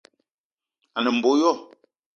A ne mbo yo